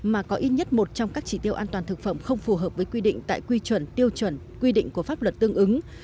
mà có ít nhất một trong các chỉ tiêu an toàn thực phẩm không phù hợp với quy định tại quy chuẩn tiêu chuẩn quy định của pháp luật tương ứng